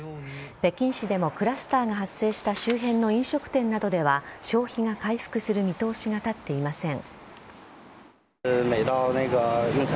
北京市でもクラスターが発生した周辺の飲食店などでは消費が回復する見通しが立っていません。